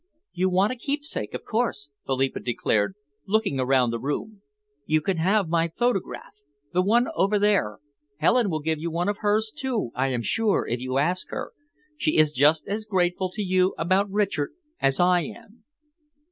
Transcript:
"You want a keepsake, of course," Philippa declared, looking around the room. "You can have my photograph the one over there. Helen will give you one of hers, too, I am sure, if you ask her. She is just as grateful to you about Richard as I am."